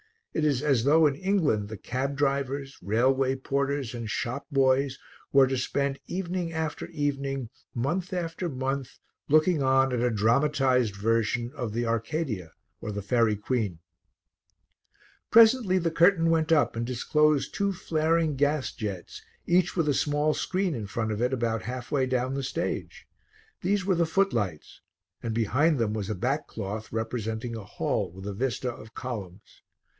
It is as though in England the cab drivers, railway porters and shop boys were to spend evening after evening, month after month, looking on at a dramatized version of the Arcadia or The Faerie Queene. Presently the curtain went up and disclosed two flaring gas jets, each with a small screen in front of it about halfway down the stage; these were the footlights, and behind them was a back cloth representing a hall with a vista of columns.